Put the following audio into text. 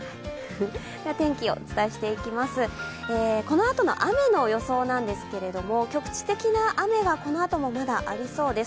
天気をお伝えしていきます、このあとの雨の予想なんですけれども、局地的な雨がこのあともまだありそうです。